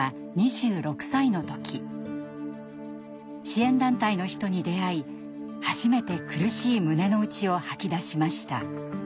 支援団体の人に出会い初めて苦しい胸の内を吐き出しました。